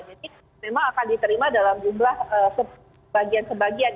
jadi memang akan diterima dalam jumlah sebagian sebagian